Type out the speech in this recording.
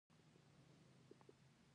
دا به له تا څخه تر ټولو کامیاب شخص جوړ کړي.